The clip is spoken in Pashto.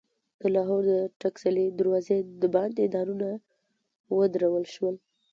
د لاهور د ټکسلي دروازې دباندې دارونه ودرول شول.